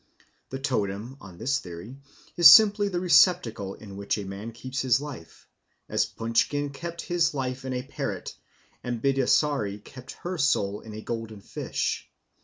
The totem, on this theory, is simply the receptacle in which a man keeps his life, as Punchkin kept his life in a parrot, and Bidasari kept her soul in a golden fish.